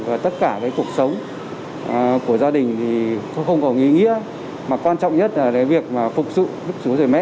và tất cả cái cuộc sống của gia đình thì không có nghĩa mà quan trọng nhất là cái việc mà phục dụng đức chúa trời mẹ